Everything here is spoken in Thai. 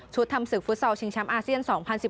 ชุดทำศึกฟุตเซาล์ชิงช้ำอาเซียน๒๐๑๖